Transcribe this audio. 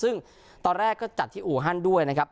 ซึ่งตอนแรกก็จัดที่อู่ฮั่นด้วยนะครับ